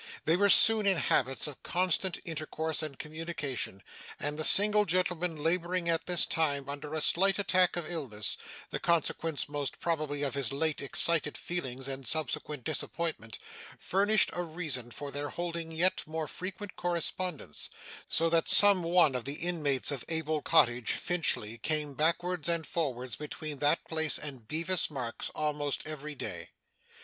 They were soon in habits of constant intercourse and communication; and the single gentleman labouring at this time under a slight attack of illness the consequence most probably of his late excited feelings and subsequent disappointment furnished a reason for their holding yet more frequent correspondence; so that some one of the inmates of Abel Cottage, Finchley, came backwards and forwards between that place and Bevis Marks, almost every day.